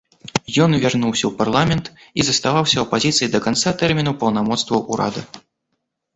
Ён вярнуўся ў парламент і заставаўся ў апазіцыі да канца тэрміну паўнамоцтваў урада.